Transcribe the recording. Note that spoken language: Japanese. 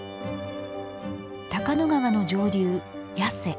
高野川の上流、八瀬。